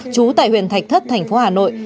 chú tại huyện thạch thất thành phố hà nội